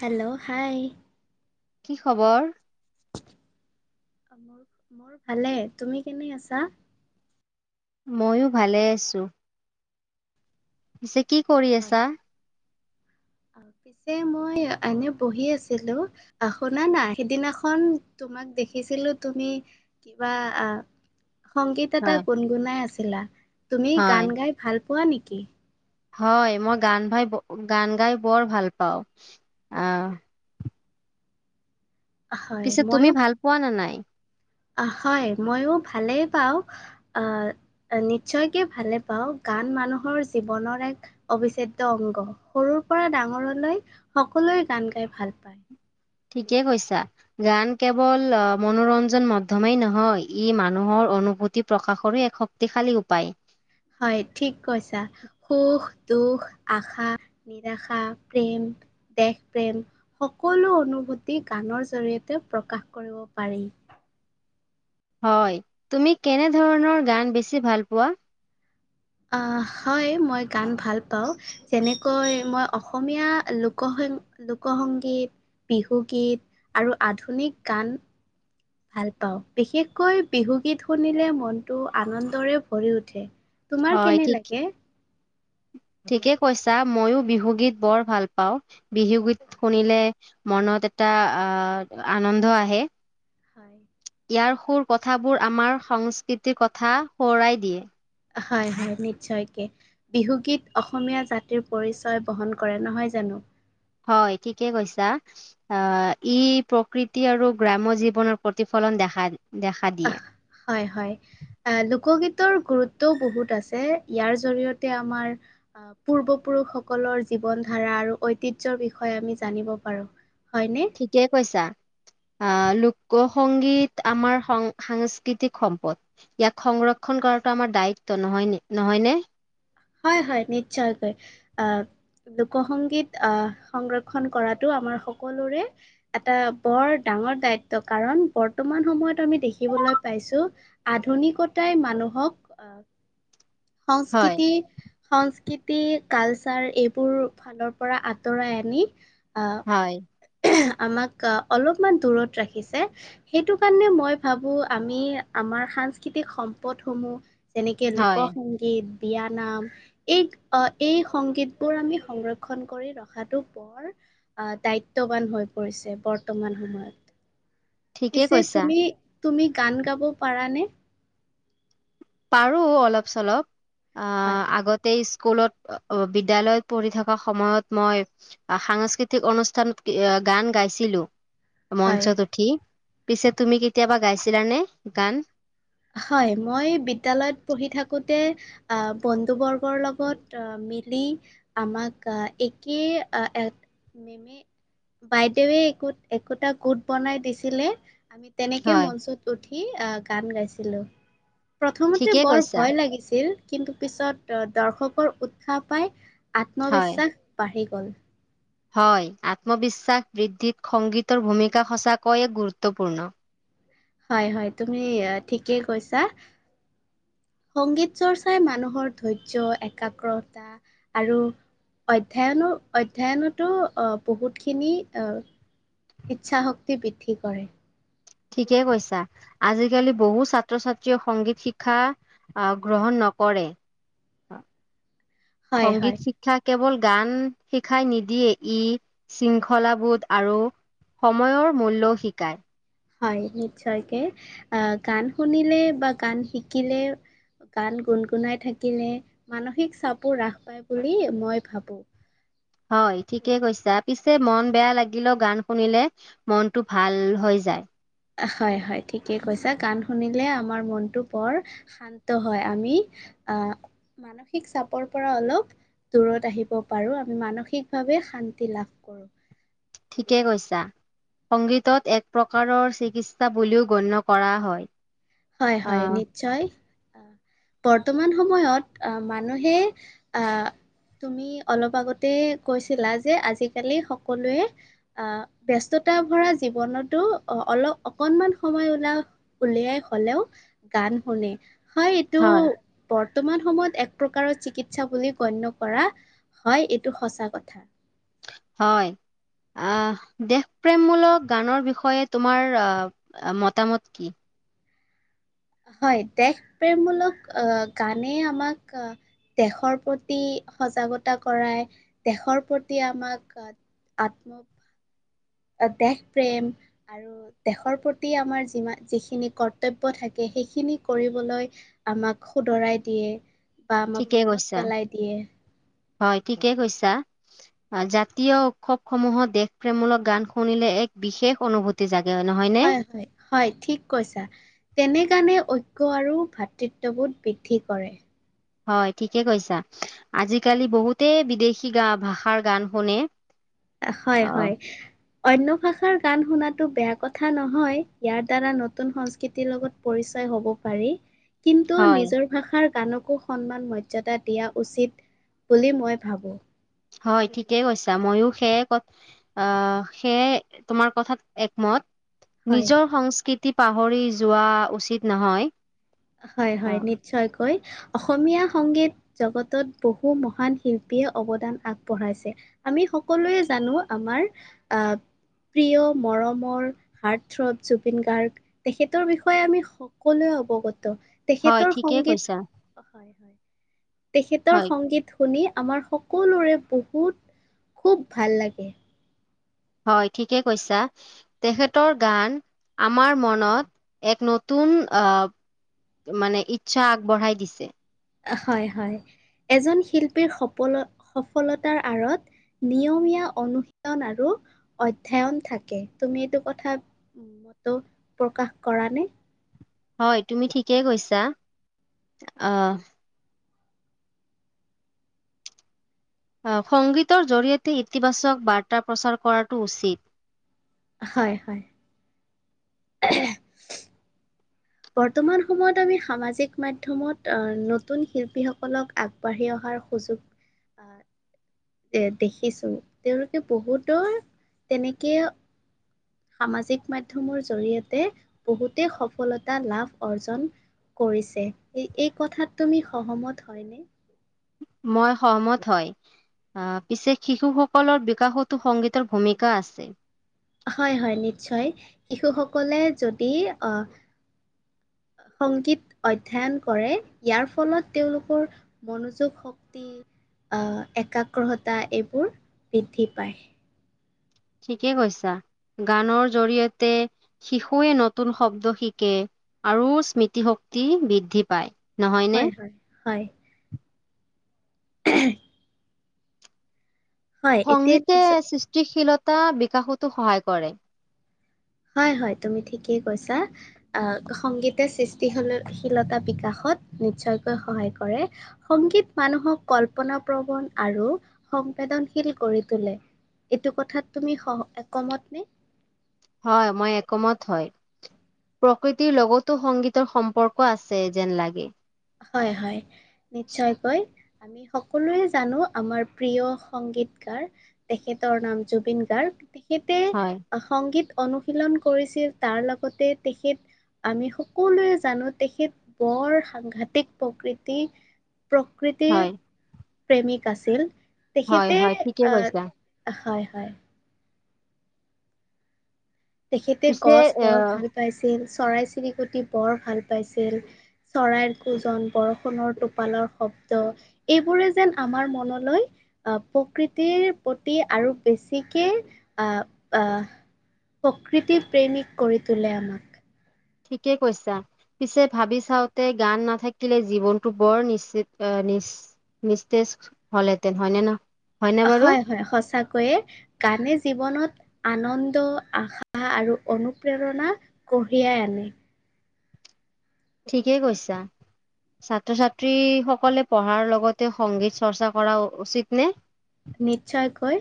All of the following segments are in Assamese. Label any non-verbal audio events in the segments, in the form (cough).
Hello, hi. কি খবৰ? মোৰ ভালে, তুমি কেনে আছা? ময়ো ভালে আছোঁ। পিছে কৰি আছা? এ মই এনে পঢ়ি আছিলোঁ। আহ, শুনা না, সিদিনাখন তোমাক দেখিছিলোঁ। তুমি কিবা আহ, সংগীত এটা হয়, গুণগুণাই আছিলা। তুমি গান হয়। গাই ভাল পোৱা নেকি? হয়, মই গান ভাই- গান গাই বৰ ভাল পাওঁ, আ। হয়, পিছে তুমি মইও, ভাল পোৱা নে নাই? হয় মইও ভালেই পাওঁ। আহ, নিশ্চয়কৈ ভালে পাওঁ। গান মানুহৰ জীৱনৰ এক অবিচ্ছেদ্য অংগ, সৰুৰ পৰা ডাঙৰলৈ সকলোৱে গান গাই ভাল পায়। ঠিকেই কৈছা। গান কেৱল অ, মনোৰঞ্জন মাধ্যমেই নহয়, ই মানুহৰ অনুভূতি প্ৰকাশৰো এক শক্তিশালী উপায়। হয় ঠিক কৈছা, সুখ, দুখ, আশা নিৰাশা, প্ৰেম দেশপ্ৰেম, সকলো অনুভূতি গানৰ জৰিয়তে প্ৰকাশ কৰিব পাৰি। হয়, তুমি কেনে ধৰণৰ গান বেছি ভাল পোৱা? আহ, হয় মই গান ভাল পাওঁ, যেনেকৈ মই অসমীয়া লোক সং লোক সংগীত, বিহুগীত আৰু আধুনিক গান। ভাল পাওঁ, বিশেষকৈ বিহুগীত শুনিলে মনটো আনন্দৰে ভৰি উঠে। তোমাৰ হয় কেনে ঠিক। লাগে ঠিকেই কৈছা, মইও বিহুগীত বৰ ভাল পাওঁ বিহুগীত। হয় শুনিলে মনত এটা আহ, আনন্দ আহে। হয়। ইয়াৰ সুৰ কথাবোৰ আমাৰ সংস্কৃতিৰ কথা সোঁৱৰাই দিয়ে। হয়- হয়, নিশ্চয় কে। বিহুগীত অসমীয়া জাতিৰ পৰিচয় বহন কৰে নহয় জানো? হয় ঠিকে কৈছা। আহ, ই প্ৰকৃতি আৰু গ্ৰাম্য জীৱনৰ প্ৰতিফলন দেখা- দেখা দিয়ে। হয়-হয়। এ লোকগীতৰ গুৰুত্বও বহুত আছে। ইয়াৰ জৰিয়তে আমাৰ পূৰ্বপুৰুষসকলৰ জীৱন ধাৰা আৰু ঐতিহ্যৰ বিষয়ে আমি জানিব পাৰো। হয়নে? ঠিকেই কৈছা। আহ, লোক সংগীত আমাৰ সং- সাংস্কৃতিক সম্পদ। ইয়াক সংৰক্ষণ কৰাটো আমাৰ দায়িত্ব নহয় ন, নহয় নে? হয়-হয় নিশ্চয়কৈ আহ। লোক সংগীত আহ, সংৰক্ষণ কৰাটো আমাৰ সকলোৰে এটা বৰ ডাঙৰ দায়িত্ব, কাৰণ বৰ্তমান সময়ত আমি দেখিবলৈ পাইছোঁ আধুনিকতাই মানুহক আহ হয় সংস্কৃতি সংস্কৃতি কালচাৰ এইবোৰ ফালৰ পৰা আঁতৰাই আনি আ হয়। আমাক অলপমান দূৰত ৰাখিছে। সেইটো কাৰণে মই ভাবোঁ আমি আমাৰ সাংস্কৃতিক সম্পদসমূহ যেনেকে‌ লোক হয় সংগীত, বিয়ানাম এই আহ এই সংগীতবোৰ আমি সংৰক্ষণ কৰি ৰখাটো বৰ আহ দায়িত্ব বান হৈ পৰিছে বৰ্তমান সময়ত। ঠিকেই পিছে তু কৈছা। তুমি গান গাব পাৰানে? পাৰো অলপ চলপ হয় আহ আগতে স্কুলত অ' বিদ্যালয়ত পঢ়ি থকা সময়ত মই সাংস্কৃতিক অনুষ্ঠানত গান গাইছিলোঁ। হয় মঞ্চত উঠি। পিছে তুমি কেতিয়াবা গাইছিলা নে গান? হয়। মই বিদ্যালয়ত পঢ়ি থাকোতে আহ বন্ধু বৰ্গৰ লগত আহ মিলি আমাক একে বাইদেৱে একো একোটা গোট বনাই দিছিলে। আমি তেনেকে হয়, মঞ্চত উঠি গান গাইছিলোঁ। প্ৰথমতে ঠিকেই বৰ কৈছা। ভয় লাগিছিল, কিন্তু পিছত দৰ্শকৰ উৎসাহ পাই হয়, আত্মবিশ্বাস বাঢ়ি গ'ল। হয়। আত্মবিশ্বাস বৃদ্ধিত সংগীতৰ ভূমিকা সঁচাকৈয়ে গুৰুত্বপূৰ্ণ। হয়, হয় তুমি ঠিকেই কৈছা। সংগীত চৰ্চাই মানুহৰ ধৈৰ্য্য একাগ্ৰতা আৰু অধ্যয়নো অধ্যয়নতো আহ বহুতখিনি আহ ইচ্ছা শক্তি বৃদ্ধি কৰে। ঠিকে কৈছা। আজিকালি বহুত ছাত্ৰ-ছাত্ৰীয়ে সংগীত শিক্ষা আহ গ্ৰহণ নকৰে, হয় হয় সংগীত শিক ক্ষাই কেৱল গান শিক্ষাই নিদিয়ে, ই শৃংখলাবোধ আৰু সময়ৰ মূল্যও শিকায়। হয়। নিশ্চয়কে, আহ গান শুনিলে বা গান শিকিলে গান গুণগুণাই থাকিলে মানসিক চাপো হ্ৰাস পায় বুলি মই ভাবোঁ। হয় ঠিকে কৈছা। পিছে মন বেয়া লাগিলে গান শুনিলে মনটো ভাল হৈ যায়। হয়, হয় ঠিকেই কৈছা। গান শুনিলে আমাৰ মনটো বৰ শান্ত হয়, আমি আহ মানসিক চাপৰ পৰা অলপ দূৰত আহিব পাৰোঁ, আমি মানসিকভাৱে শান্তি লাভ কৰোঁ। ঠিকেই কৈছা। সংগীতক এক প্ৰকাৰৰ চিকিৎসা বুলিও গণ্য কৰা হয়। হয়, হয় আহ নিশ্চয়। বৰ্তমান সময়ত মানুহে আহ তুমি অলপ আগতে কৈছিলা যে আজিকালি সকলোৱে আহ ব্যস্ততা ভৰা জীৱনতো অলপ অকনমান সময় ওলাও উলিয়াই হলেওঁ গান শুনে। হয় এইটো বৰ্তমান সময়ত এক প্ৰকাৰৰ চিকিৎসা বুলি গণ্য কৰা হয় এইটো সঁচা কথা। হয়। আহ দেশপ্ৰেমমূলক গানৰ বিষয়ে তোমাৰ আহ মতামত কি। হয় দেশ প্ৰেমমূলক আহ গানেই আমাক। দেশৰ প্ৰতি সজাগতা কৰাই দেশৰ প্ৰতি আমাক। আহ আত্ম। দেশ প্ৰেম আৰু। আৰু দেশৰ প্ৰতি আমাৰ যিমা যিখিনি কৰ্তব্য থাকে সেইখিনি কৰিবলৈ। আমাক শুদ্ধৰাই দিয়ে। বা আমাক ঠিকে মনত কৈছা পেলাই দিয়ে হয় ঠিকে কৈছা। জাতীয় উৎসৱসমূহত দেশপ্ৰেমমূলক গান শুনিলে এক বিশেষ অনুভূতি। তি জাগে নহয়। হয় হয় হয় ঠিক কৈছা তেনে কাৰণে ঐক্য আৰু ভাতৃত্ববোধ বৃদ্ধি কৰে। হয় ঠিকেই কৈছা। আজিকালি বহুতেই বিদেশী গা ভাষাৰ গান শুনে। হয় অ' হয়। অন্য ভাষাৰ গান শুনাটো বেয়া কথা নহয় ইয়াৰ দ্বাৰা নতুন সংস্কৃতিৰ লগত। পৰিচয় হ'ব পাৰি কিন্তু হয় নিজৰ। ভাষাৰ গানকো সন্মান মৰ্যাদা দিয়া উচিত বুলি মই ভাবো। হয় ঠিকেই কৈছা মইয়ো সেয়ে ক আহ সেয়াই তোমাৰ কথাত একমত। হয়। নিজৰ সংস্কৃতি পাহৰি যোৱা উচিত নহয়। হয় হয় অ', নিশ্চয়কৈ। অসমীয়া সংগীত জগতত বহু মহান শিল্পীয়ে অৱদান আগবঢ়াইছে। আমি সকলোৱে জানো আমাৰ আ প্ৰিয় মৰমৰ হাৰ্ট থ্ৰপ জুবিন গাৰ্গ তেখেতৰ বিষয়ে আমি স সকলোৱে অৱগত হয় তেখেতৰ ঠিকেই সংগীত। কৈছা হয় হয় তেখেতৰ হয় সংগীত। শুনি আমাৰ সকলোৰে বহুত খুব ভাল লাগে। হয় ঠিকেই কৈছা। তেখেতৰ গান আমাৰ মনত এক নতুন আহ। মানে ইচ্ছা আগবঢ়াই দিছে। হয় হয় এজন শিল্পীৰ সপল সফলতাৰ আঁৰত। নিয়মীয়া অনুশীলন আৰু অধ্যয়ন থাকে তুমি এইটো কথা। মূলত প্ৰকাশ কৰা নে হয় তুমি ঠিকেই কৈছা আ আ সংগীতৰ জৰিয়তে ইতিবাচক বাৰ্তা প্ৰচাৰ কৰাটো উচিত। হয় হয়। (unintelligible) বৰ্তমান সময়ত আমি সামাজিক মাধ্যমত আ নতুন শিল্পীসকলক আগবাঢ়ি অহাৰ সুযোগ আ দেখিছোং তেওঁলোকে বহুতৰ তেনেকে সামাজিক মাধ্যমৰ জৰিয়তে বহুতে সফলতা লাভ অৰ্জন কৰিছে এই এই কথাত তুমি সহমত হয়নে মই সন্মত হয়। আহ, পিছে শিশুসকলৰ বিকাশতো সংগীতৰ ভূমিকা আছে। হয় হয় নিশ্চয়, শিশুসকলে যদি আহ সংগীত অধ্যয়ন কৰে, ইয়াৰ ফলত তেওঁলোকৰ মনোযোগ শক্তি, আহ একাগ্ৰহতা এইবোৰ বৃদ্ধি পায়। ঠিকে কৈছা, গানৰ জৰিয়তে শিশুৱে নতুন শব্দ শিকে, আৰু স্মৃতিশক্তি বৃদ্ধি পায়। নহয়নে? হয় হয়, হয়। (unintelligible) হয় এতিয়া সংগীতে নিজ সৃষ্টিশিলতা বিকাশতো সহায় কৰে। হয় হয়, তুমি ঠিকেই কৈছা। আহ, সংগীতে সৃষ্টিশলশীলতা বিকাশত নিশ্চয়কৈ সহায় কৰে। সংগীত মানুহক কল্পনা প্ৰৱণ আৰু সংবেদনশীল কৰি তোলে। এইটো কথাত তুমি সহ, একমত নে? হয়, মই একমত হয়। প্ৰকৃতিৰ লগতো সংগীতৰ সম্পৰ্ক আছে যেন লাগে। হয় হয়, নিশ্চয়কৈ। আমি সকলোৱে জানো আমাৰ প্ৰিয় সংগীতকাৰ তেখেতৰ নাম জুবিন গাৰ্গ, তেখেতে হয়, সংগীত অনুশীলন কৰিছিল, তাৰ লগতে তেখেত আমি সকলোৱে জানো তেখেত বৰ সাংঘাটিক (unintelligible) প্ৰকৃতি, প্ৰকৃতিৰ হয়, প্ৰেমিক আছিল। হয়, তেখেতে হয়, ঠিকে আহ, কৈছা। হয়, হয়। তেখেতে পিছে গছ বৰ আহ ভাল পাইছিল, চৰাই চিৰিকটি বৰ ভাল পাইছিল। চৰাইৰ কোজন, বৰষুণৰ টোপালৰ শব্দ এইবোৰে যেন আমাৰ মনলৈ আহ, প্ৰকৃতিৰ প্ৰতি আৰু বেছিকে আহ, আহ প্ৰকৃতি প্ৰেমিক কৰি তোলে আমাক। ঠিকে কৈছা। পিছে ভাবি চাওঁতে গান নাথাকিলে জীৱনতটো বৰ নিশ্চিত, আহ নিশ্চ নিষ্টেজ হ'লেতেন, হয়নে ন? হয়নে বাৰু? হয়, হয় সঁচাকৈয়ে। গানে জীৱনত, আনন্দ, আশা আৰু অনুপ্ৰেৰণা কঢ়িয়াই আনে। ঠিকেই কৈছা। ছাত্ৰ ছাত্ৰী সকলে পঢ়াৰ লগতে সংগীত চৰ্চা কৰা, উচিত নে? নিশ্চয়কৈ,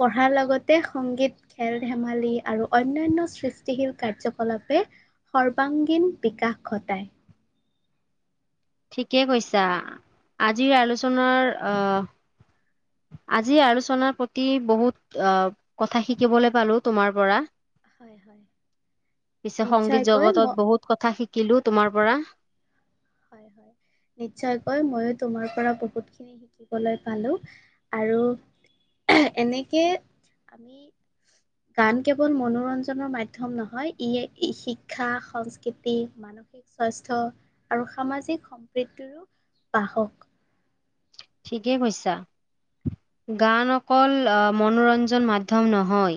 পঢ়াৰ লগতে সংগীত খেল-ধেমালি আৰু অন্যান্য় সৃষ্টিশীল কাৰ্যকলাপে সৰ্বাংগীন বিকাশ ঘটায়। ঠিকে কৈছা, আজিৰ আলোচনাৰ আহ আজি আলোচনাৰ প্ৰতি বহুত আহ কথা শিকিবলৈ পালো তোমাৰ পৰা। হয় হয় পিছে সংগীত নিশ্চয়কৈ ম জগতৰ বহুত কথা শিকিলো তোমাৰ পৰা। নিশ্চয়কৈ, মইয়ো তোমাৰ পৰা বহুত খিনি শিকিবলৈ পালোঁ, আৰু এনেকে আমি (inaudible) গান কেৱল মনোৰঞ্জনৰ মাধ্যম নহয় ই শিক্ষা সংস্কৃতি (unintelligible) মানসিক স্বাস্থ্য আৰু সামাজিক সম্প্ৰীতিৰো, বাহক। ঠিকে কৈছা। গান অকল আহ মনোৰঞ্জন মাধ্যম নহয়।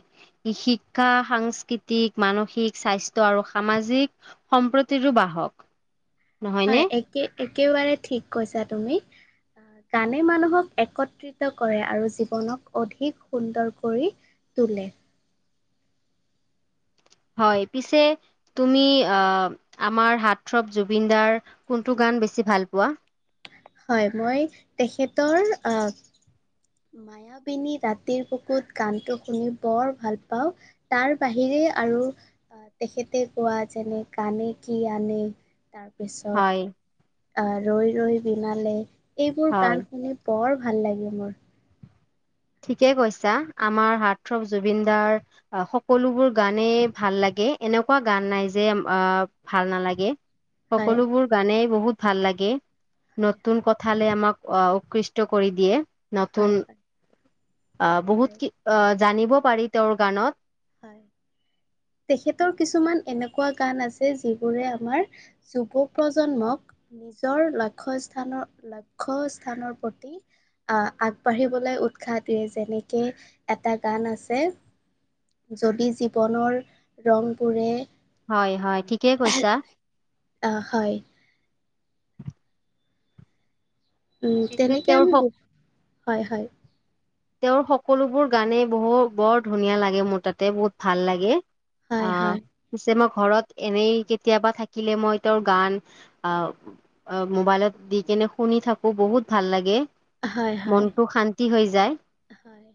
ই শিক্ষা, সাংস্কৃতিক, মানসিক স্বাস্থ্য আৰু সামাজিক সম্প্ৰতিৰো বাহক। নহয়নে? হয় একে-একেবাৰে ঠিক কৈছা তুমি। গানে মানুহক একত্ৰিত কৰে আৰু জীৱনক অধিক সুন্দৰ কৰি তোলে। হয়, পিছে তুমি আহ, আমাৰ হাৰ্টৰপ জুবিন দাৰ কোনটো গান বেছি ভাল পোৱা? হয় মই তেখেতৰ আহ মায়াবিনী ৰাতিৰ বুকুত গানটো শুনি বৰ ভাল পাওঁ। তাৰ বাহিৰে আৰু, আহ তেখেতে গোৱা যেনে গানে কি আনে। তাৰপিছত হয়, আহ ৰৈ ৰৈ বিনালে, এইবোৰ হয়, গান শুনি বৰ ভাল লাগে মোৰ। ঠিকে কৈছা আমাৰ হাৰ্টৰপ জুবিন দাৰ আহ সকলোবোৰ গানে ভাল লাগে এনেকুৱা গান নাই যে আহ ভাল নালাগে, হয় সকলোবোৰ গানে বহুত ভাল লাগে, হয় নতুন কথালে আমাক অহ উৎকৃষ্ট কৰি দিয়ে। নতুন, হয় হয় হয় হয় আহ হয়। বহুত কি আহ জানিব পাৰি তেওঁৰ গানত। হয় তেখেতৰ কিছুমান এনেকুৱা গান আছে যিবোৰে আমাৰ, যুৱ প্ৰজন্মক নিজৰ লক্ষ্য স্থানৰ, লক্ষ্য স্থানৰ প্ৰতি আহ আগবাঢ়িবলৈ উৎসাহ দিয়ে যেনেকে এটা গান আছে। যদি জীৱনৰ ৰংবোৰে হয়, হয় ঠিকে কৈছা। অ' হয়। উম পিছে তেনেক তেওঁৰ আমি সক বহু হয়, হয়। তেওঁৰ সকলোবোৰ গানেই বহু বৰ ধুনীয়া লাগে মোৰ তাতে বহুত ভাল লাগে। হয় অহ। হয় পিছে মই ঘৰত এনেই কেতিয়াবা থাকিলে মই তেওঁৰ গান, আহ আহ মোবাইলত দি কেনে শুনি থাকোঁ বহুত ভাল লাগে। হয় হয় মনটো শান্তি হৈ যায়। হয়